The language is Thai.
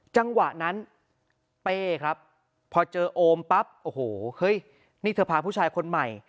จังหวะนั้นเป้ครับพอเจอโอมปั๊บโอ้โหเฮ้ยนี่เธอพาผู้ชายคนใหม่